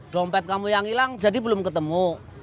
dompet kamu yang hilang jadi belum ketemu